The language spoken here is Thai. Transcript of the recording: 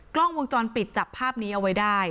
กล้องวงจรปิดจับภาพนี้เอาไว้ได้